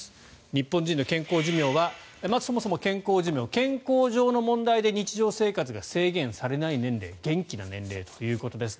日本人の健康寿命はそもそも健康寿命健康上の問題で日常生活が制限されない年齢元気な年齢ということです。